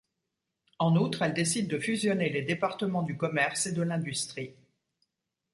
En outre, elle décide de fusionner les départements du Commerce et de l'Industrie.